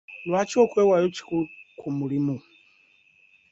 Lwaki okwewaayo kikulu ku mulimu?